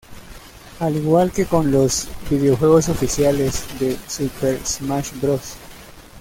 Al igual que con los videojuegos oficiales de "Super Smash Bros.